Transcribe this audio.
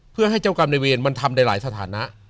เพื่อให้เจ้ากรรมในเวรมันทำได้หลายสถานะ